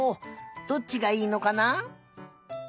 どっちがいいのかな？